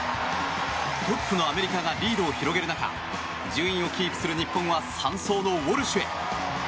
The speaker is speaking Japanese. トップのアメリカがリードを広げる中順位をキープする日本は３走のウォルシュへ。